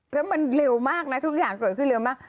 แล้วมันเร็วมากนะทุกอย่างเกิดขึ้นเร็วมาก